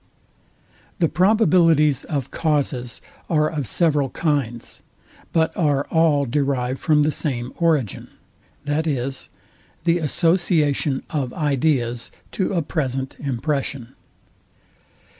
The probabilities of causes are of several kinds; but are all derived from the same origin, viz. THE ASSOCIATION OF IDEAS TO A PRESENT IMPRESSION.